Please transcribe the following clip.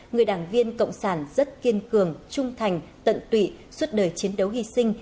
người đảng viên cộng sản rất kiên cường trung thành tận tụy suốt đời chiến đấu hy sinh